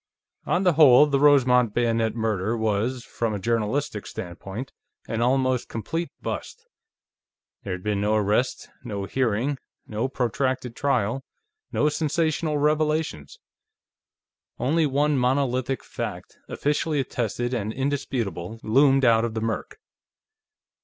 On the whole, the Rosemont Bayonet Murder was, from a journalistic standpoint, an almost complete bust. There had been no arrest, no hearing, no protracted trial, no sensational revelations. Only one monolithic fact, officially attested and indisputable, loomed out of the murk